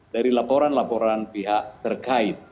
dari laporan laporan pihak terkait